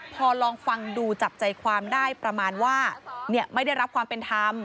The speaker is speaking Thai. พอลองฟังดูจับใจความได้ประมาณว่าไม่ได้รับความเป็นธรรม